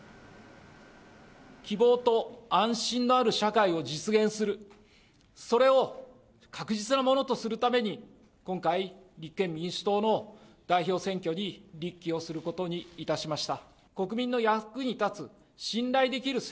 希望と安心のある社会を実現する、それを確実なものとするために、今回、立憲民主党の代表選挙に立っきをすることにいたしました。